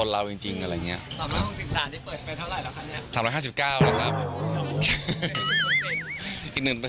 น่ารักมากน่ารักมากน่ารักมากน่ารักมากน่ารักมากน่ารักมากน่ารักมากน่ารักมาก